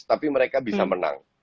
tapi mereka bisa menang